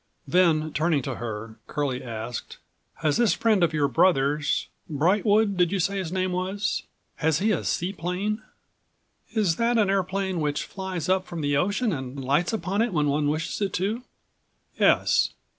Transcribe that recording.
Then, turning to her, Curlie asked: "Has this friend of your brother's—Brightwood, did you say his name was?—has he a seaplane?" "Is that an airplane which flies up from the ocean and lights upon it when one wishes it to?" "Yes."